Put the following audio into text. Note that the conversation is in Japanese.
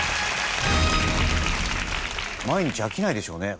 毎日飽きないでしょうね。